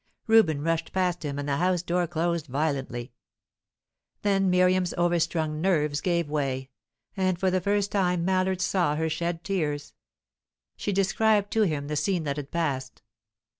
Reuben rushed past him, and the house door closed violently. Then Miriam's overstrung nerves gave way, and for the first time Mallard saw her shed tears. She described to him the scene that had passed.